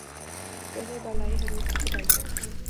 پہلے بالائی حروف کی چھٹائی کریں